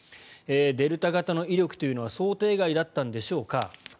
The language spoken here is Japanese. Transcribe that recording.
デルタ株の威力というのは想定外だったんでしょうか。